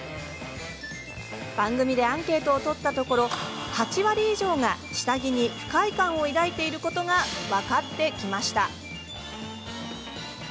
番組でアンケートを取ったところ８割以上が下着に不快感を抱いていることが分かってきました。